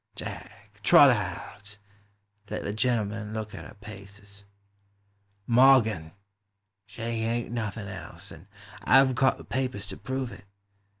Jack, trot her out; let the gentle man look at her paces. Morgan !— She ain't nothin' else, and I 've got the papers to prove it.